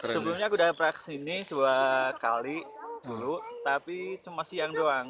sebelumnya aku udah praksi ini dua kali dulu tapi cuma siang doang